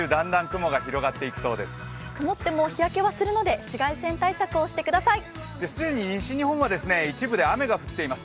曇っていても日焼けはするので紫外線対策はしてください。